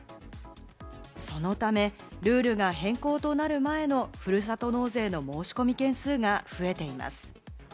そのためルールが変更となる前のふるさと納税の申し込み件数が増えています。